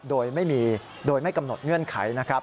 โดยไม่มีโดยไม่กำหนดเงื่อนไขนะครับ